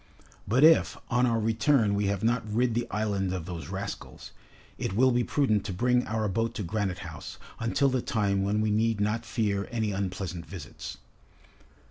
But, if on our return we have not rid the island of those rascals, it will be prudent to bring our boat to Granite House, until the time when we need not fear any unpleasant visits."